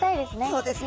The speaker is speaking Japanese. そうですね。